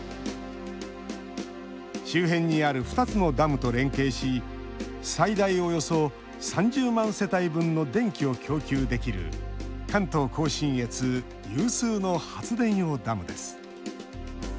周辺にある２つのダムと連携し最大およそ３０万世帯分の電気を供給できる関東・甲信越有数の発電用ダムです。